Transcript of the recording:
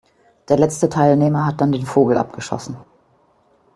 Der letzte Teilnehmer hat dann den Vogel abgeschossen.